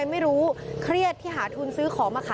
แล้วก็เปลี่ยงถุดโขไม่ค่ะ